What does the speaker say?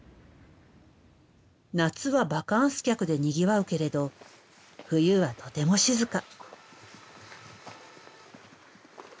夏はバカンス客でにぎわうけれど冬はとても静か。